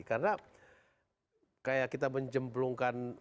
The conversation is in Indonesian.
karena kita menjemblungkan